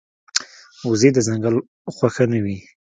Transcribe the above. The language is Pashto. وزې د ځنګل خوښه نه وي